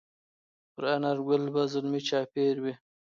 پر انارګل به زلمي چاپېروي